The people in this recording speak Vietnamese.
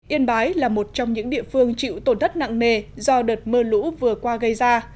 yên bái là một trong những địa phương chịu tổn thất nặng nề do đợt mưa lũ vừa qua gây ra